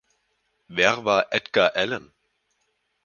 Wer war Edgar Allan?